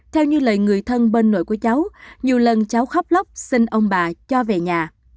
theo như lời người thân bên nội của cháu nhiều lần cháu khóc lóc xin ông bà cho về nhà